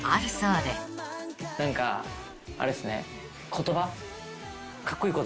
何かあれっすね言葉。